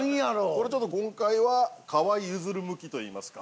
これちょっと今回は河井ゆずる向きといいますか。